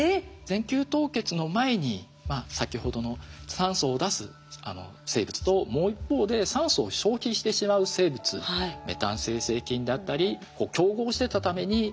全球凍結の前に先ほどの酸素を出す生物ともう一方で酸素を消費してしまう生物メタン生成菌であったり競合してたためになかなか大気の酸素が増えなかったわけですね。